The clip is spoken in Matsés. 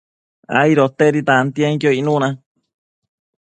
aidotedi tantienquio icnuna